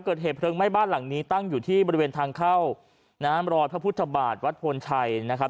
เกิดเหตุเพลิงไหม้บ้านหลังนี้ตั้งอยู่ที่บริเวณทางเข้าน้ำรอยพระพุทธบาทวัดพลชัยนะครับ